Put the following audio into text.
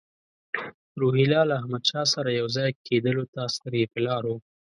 روهیله له احمدشاه سره یو ځای کېدلو ته سترګې په لار وو.